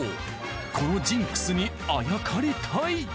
このジンクスにあやかりたい。